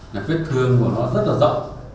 là vết thương của nó rất là rộng